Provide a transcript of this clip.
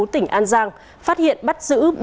tỉnh an giang phát hiện bắt giữ